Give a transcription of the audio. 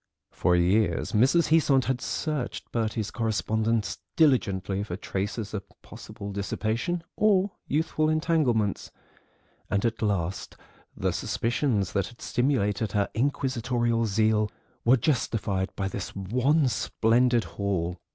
For years Mrs. Heasant had searched Bertie's correspondence diligently for traces of possible dissipation or youthful entanglements, and at last the suspicions that had stimulated her inquisitorial zeal were justified by this one splendid haul.